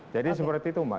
jadi seperti itu mbak